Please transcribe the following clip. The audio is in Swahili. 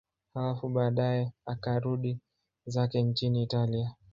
Halafu baadaye akarudi zake nchini Italia.